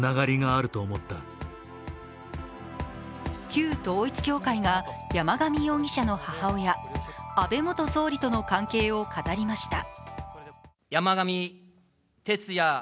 旧統一教会が山上容疑者の母親安倍元総理との関係を語りました。